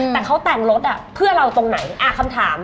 แต่เขาแต่งรถเพื่อเราตรงไหนคำถาม